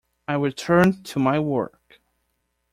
I returned to my work.